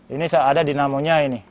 ini ada dinamonya ini